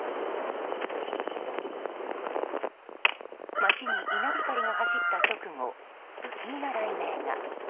街に稲光が走った直後不気味な雷鳴が。